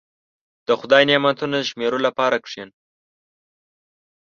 • د خدای نعمتونه شمیرلو لپاره کښېنه.